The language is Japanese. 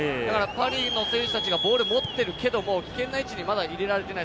パリの選手たちがボールを持ってるけども、危険な位置でまだ入れられていない。